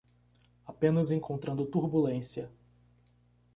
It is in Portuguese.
Apenas encontrando turbulência